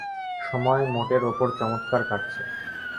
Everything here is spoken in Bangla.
সময় মোটের উপর চমৎকার কাটছে।